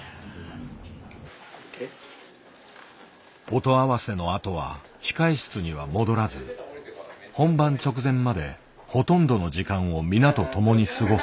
音合わせのあとは控え室には戻らず本番直前までほとんどの時間を皆と共に過ごす。